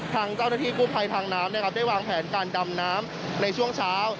ทางเจ้าหน้าที่กู้ภัยทางน้ำนะครับได้วางแผนการดำน้ำในช่วงเช้า